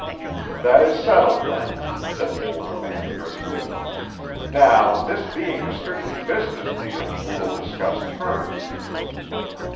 "That is settled, then," said the older man briskly. "Now, this being a strictly business deal, we will discuss terms."